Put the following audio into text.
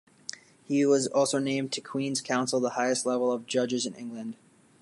He was also named to Queens Counsel, the highest level of judges in England.